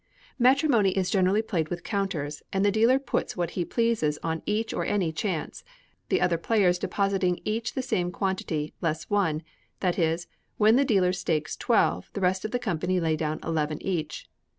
Matrimony is generally played with counters, and the dealer puts what he pleases on each or any chance, the other players depositing each the same quantity, less one that is, when the dealer stakes twelve, the rest of the company lay down eleven each.